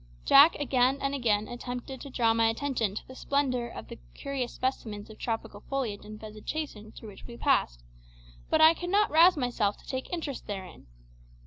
Jack again and again attempted to draw my attention to the splendour of the curious specimens of tropical foliage and vegetation through which we passed; but I could not rouse myself to take interest therein.